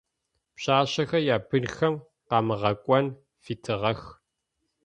Пшъашъэхэр ябынхэм къамыгъэкӏон фитыгъэх.